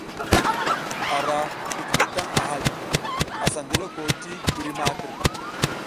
A ra kutuko taƞ a hay, asa ndiloko ti ɓiri makər.